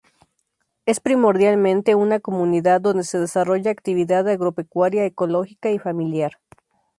Es primordialmente una comunidad donde se desarrolla actividad agropecuaria ecológica y familiar.